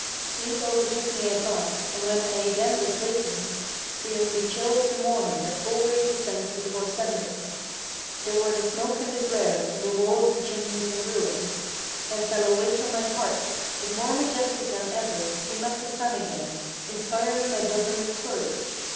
Sleep overtook me at last, and when I again was awakened, Feeling the chill of the morning that always descends before sunrise, There were the smoke and the glare, and the walls and chimneys in ruins. Then fell a weight on my heart; but more majestic than ever Came up the sun again, inspiring my bosom with courage.